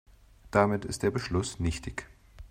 Damit ist der Beschluss nichtig.